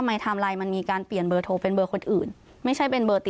นุโดวันที่๒๓กันยา